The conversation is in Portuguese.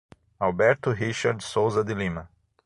Alberto Richard Souza de Lima